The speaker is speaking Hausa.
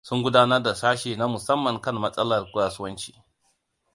Sun gudanar da sashi na musamman kan matsalar kasuwanci.